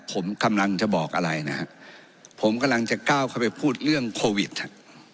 ผมกำลังจะบอกอะไรนะฮะผมกำลังจะก้าวเข้าไปพูดเรื่องโควิดฮะ